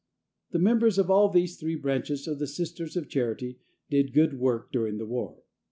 The members of all these three branches of the Sisters of Charity did good work during the war.